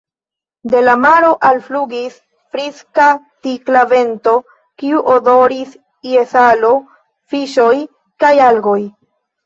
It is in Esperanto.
De la maro alflugis friska, tikla vento, kiu odoris je salo, fiŝoj kaj algoj.